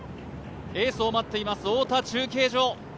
エースを待っています太田中継所。